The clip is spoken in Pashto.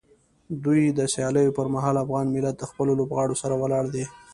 د دوی د سیالیو پر مهال افغان ملت د خپلو لوبغاړو سره ولاړ دی.